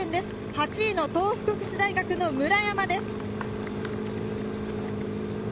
８位の東北福祉大学の村山です。